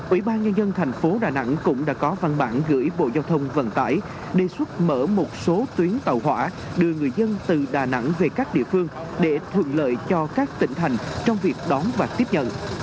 ủy ban nhân dân thành phố đà nẵng cũng đã có văn bản gửi bộ giao thông vận tải đề xuất mở một số tuyến tàu hỏa đưa người dân từ đà nẵng về các địa phương để thuận lợi cho các tỉnh thành trong việc đón và tiếp nhận